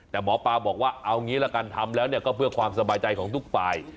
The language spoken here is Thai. แต่หมอปลาบอกว่าเอางี้ละกันทำแล้วก็เพื่อความสบายใจของทุกฝ่าย